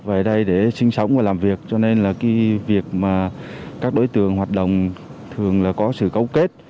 về đây để sinh sống và làm việc cho nên là cái việc mà các đối tượng hoạt động thường là có sự cấu kết